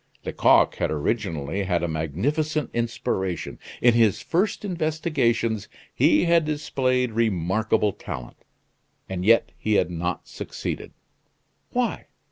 Lecoq had originally had a magnificent inspiration. In his first investigations he had displayed remarkable talent; and yet he had not succeeded. Why?